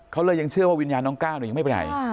เขาเลยยังเชื่อว่าวิญญาณน้องก้าวยังไม่ไปไหน